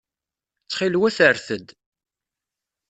Ttxil-wet rret-d.